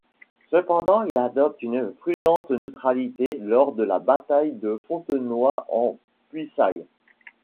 Cependant il adopte une prudente neutralité lors de la bataille de Fontenoy-en-Puisaye.